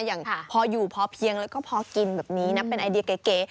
อย่างพออยู่พอเพียงแล้วก็พอกินแบบนี้นะเป็นไอเดียเก๋